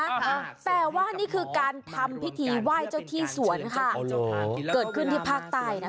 ค่ะแต่ว่านี่คือการทำพิธีไหว้เจ้าที่สวนค่ะเกิดขึ้นที่ภาคใต้นะคะ